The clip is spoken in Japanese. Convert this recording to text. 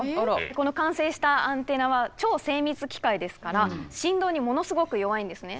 この完成したアンテナは超精密機械ですから振動にものすごく弱いんですね。